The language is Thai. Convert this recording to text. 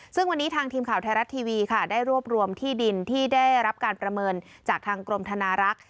ซึ่งวันนี้ทางทีมข่าวไทยรัฐทีวีค่ะได้รวบรวมที่ดินที่ได้รับการประเมินจากทางกรมธนารักษ์